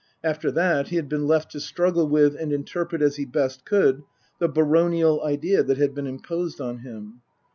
After that he had been left to struggle with and interpret as he best could the baronial idea that had been imposed on him.